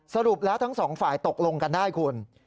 สรุปแล้วทั้งสองฝ่ายตกลงกันได้คุณ